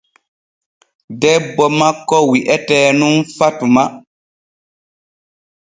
Debbo makko wi'etee nun fatuma.